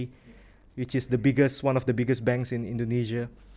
salah satu bank terbesar di indonesia